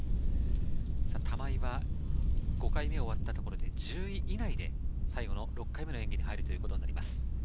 玉井は５回目が終わったところで１０位以内で最後の６回目の演技に入るということになります。